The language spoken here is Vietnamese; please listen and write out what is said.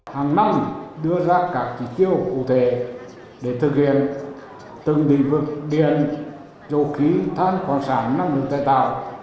hàng năm đưa ra các ký tiêu cụ thể để thực hiện từng địa phương điện dầu khí than khoản sản năng lượng tài tạo